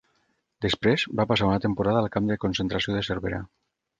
Després, va passar una temporada al camp de concentració de Cervera.